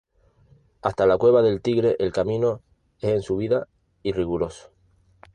Hasta la cueva del tigre el camino es en subida y riguroso.